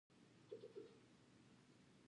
چې څنګه میوه پخیږي.